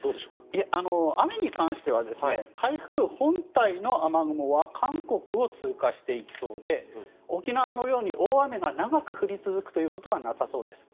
いえ、雨に関しては台風本体の雨雲は韓国を通過していきそうで沖縄のように大雨が長く降り続くということはなさそうです。